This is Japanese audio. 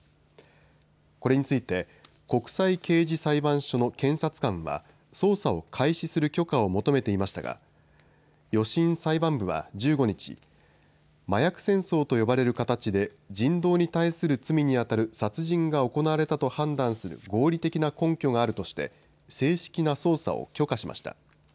これについて国際刑事裁判所の検察官は捜査を開始する許可を求めていましたが予審裁判部は１５日、麻薬戦争と呼ばれる形で人道に対する罪にあたる殺人が行われたと判断する合理的な根拠があるとして正式な捜査を許可しました。